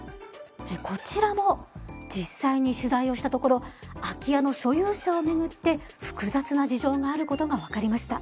こちらも実際に取材をしたところ空き家の所有者を巡って複雑な事情があることが分かりました。